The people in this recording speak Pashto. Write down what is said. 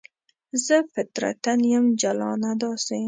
زه فطرتاً یم جلانه داسې